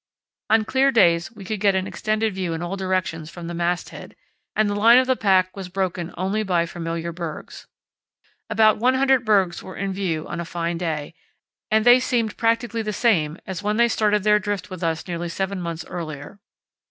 On clear days we could get an extended view in all directions from the mast head, and the line of the pack was broken only by familiar bergs. About one hundred bergs were in view on a fine day, and they seemed practically the same as when they started their drift with us nearly seven months earlier.